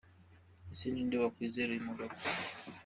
Ese ninde wakwizera uyu mugabo ?